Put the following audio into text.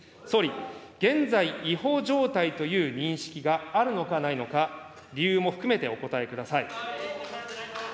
総理、現在、違法状態という認識があるのかないのか、理由も含めてお答えください。